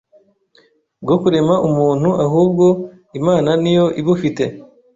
bwo kurema umuntu ahubwo Imana niyo ibufite,